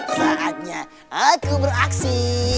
saatnya aku beraksi